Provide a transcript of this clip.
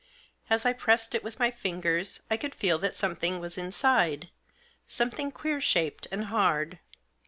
As I pressed it with my fingers, I could feel that something was inside, something queer shaped and hard.